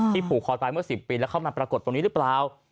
ผูกคอตายไปเมื่อ๑๐ปีแล้วเข้ามาปรากฏตรงนี้หรือเปล่า